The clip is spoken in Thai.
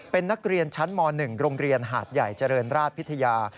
เป็นนักเรียนชั้นม๑โรงเรียนหาดใหญ่เจริญราชพิทยา